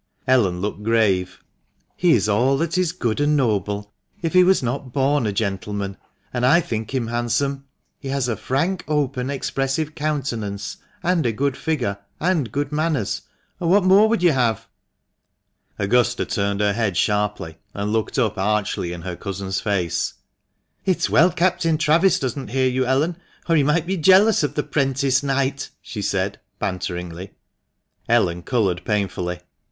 Ellen looked grave. " He is all that is good and noble, if he was not born a gentleman ; and 7 think him handsome. He has a frank, open, expressive countenance, and a good figure, and good manners, and what more would you have?" Augusta turned her head sharply, and looked up archly in her cousin's face. "It's well Captain Travis does not hear you, Ellen, or he might be jealous of the prentice knight," she said, banteringly. Ellen coloured painfully.